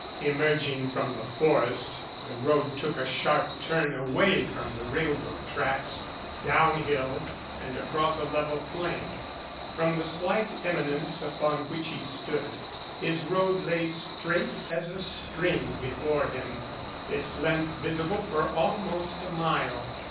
Emerging from the forest the road took a sharp turn away from the railroad tracks down hill and across a level plain. From the slight eminence upon which he stood, his road lay straight as a string before him, its length visible for almost a mile.